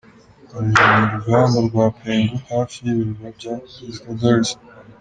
Hari mu rugamba rwa Penghu hafi y’ibirwa bya Pescadores.